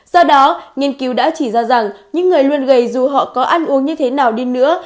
do đó nghiên cứu đã chỉ ra rằng những người luôn gầy dù họ có ăn uống như thế nào đi nữa